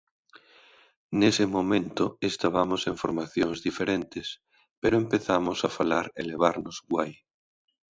Nese momento estabamos en formacións diferentes, pero empezamos a falar e levarnos guai.